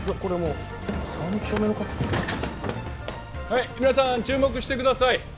はい皆さん注目してください。